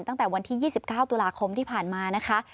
ตั้งแต่วันที่๒๙ตุลาคมที่ผ่านมานะคะ